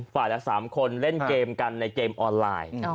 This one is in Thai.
ละ๓คนเล่นเกมกันในเกมออนไลน์